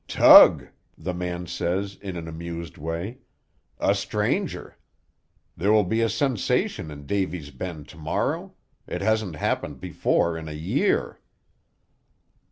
"Tug," the man says, in an amused way, "a stranger. There will be a sensation in Davy's Bend to morrow; it hasn't happened before in a year."